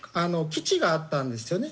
基地があったんですよね